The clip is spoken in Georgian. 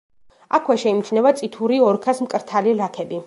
აქვე შეიმჩნევა წითური ოქრას მკრთალი ლაქები.